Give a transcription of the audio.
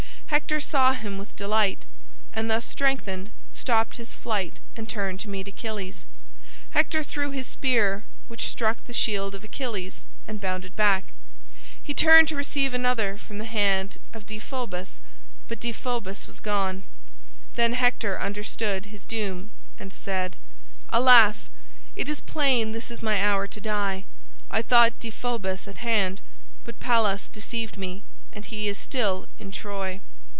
Hector saw him with delight, and thus strengthened stopped his flight and turned to meet Achilles. Hector threw his spear, which struck the shield of Achilles and bounded back. He turned to receive another from the hand of Deiphobus, but Deiphobus was gone. Then Hector understood his doom and said, "Alas! it is plain this is my hour to die! I thought Deiphobus at hand, but Pallas deceived me, and he is still in Troy.